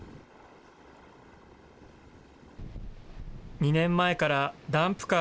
２年前からダンプカー